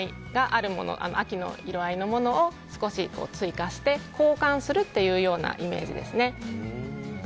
秋の色合いがあるものを少し追加して交換するというようなイメージですね。